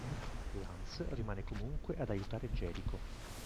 Lance rimane comunque ad aiutare Jericho.